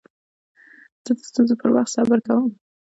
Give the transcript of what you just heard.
زه د ستونزو پر وخت صبر کوم.